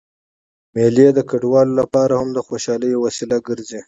مېلې د کډوالو له پاره هم د خوشحالۍ یوه وسیله ګرځي.